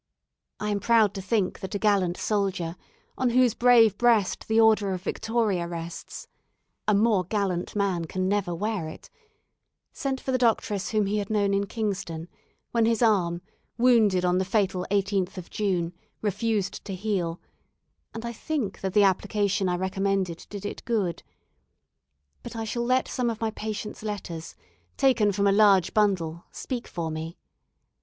I am proud to think that a gallant sailor, on whose brave breast the order of Victoria rests a more gallant man can never wear it sent for the doctress whom he had known in Kingston, when his arm, wounded on the fatal 18th of June, refused to heal, and I think that the application I recommended did it good; but I shall let some of my patients' letters, taken from a large bundle, speak for me.